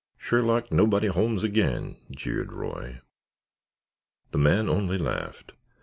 "Sherlock Nobody Holmes again," jeered Roy. The man only laughed.